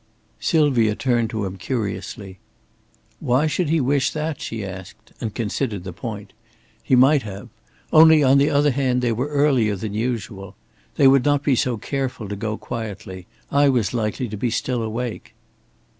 Sylvia turned to him curiously. "Why should he wish that?" she asked, and considered the point. "He might have. Only, on the other hand, they were earlier than usual. They would not be so careful to go quietly; I was likely to be still awake."